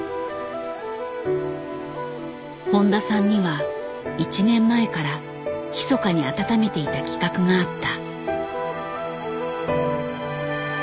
誉田さんには１年前からひそかに温めていた企画があった。